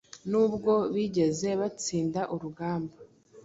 Nubwo bigeze batsinda urugamba